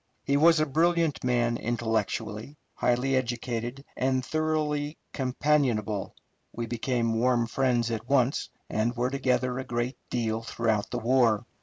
He was a brilliant man intellectually, highly educated, and thoroughly companionable. We became warm friends at once, and were together a great deal throughout the war.